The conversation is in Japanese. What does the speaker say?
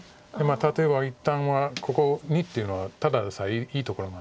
例えば一旦はここ②っていうのはただでさえいいところなので。